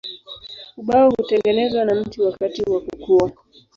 Ubao hutengenezwa na mti wakati wa kukua.